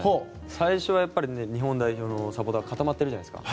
最初はやっぱり日本代表のサポーターが固まってるじゃないですか。